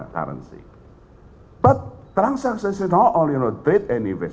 tapi transaksi bukan hanya untuk kewangan dan investasi